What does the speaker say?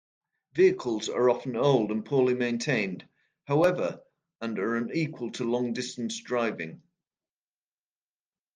Vehicles are often old and poorly maintained, however, and are unequal to long-distance driving.